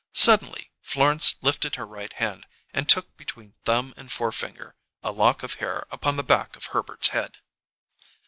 Suddenly Florence lifted her right hand, and took between thumb and forefinger a lock of hair upon the back of Herbert's head.